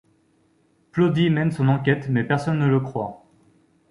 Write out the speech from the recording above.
Ploddy mène son enquête mais personne ne le croit.